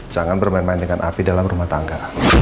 jangan bermain main dengan api dalam rumah tangga